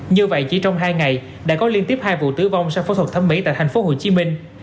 như vậy chỉ trong hai ngày đã có liên tiếp hai vụ tử vong sau phẫu thuật thấm mỹ tại tp hcm